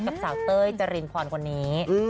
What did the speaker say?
กับสาวเต้ยจรินพรคนนี้